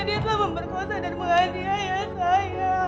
dia telah memperkosa dan menghati ayah saya